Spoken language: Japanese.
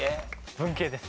文系です。